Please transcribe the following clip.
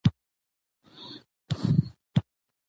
د تاریخي اثارو ساتنه د هیواد کلتوري هویت پیاوړی کوي.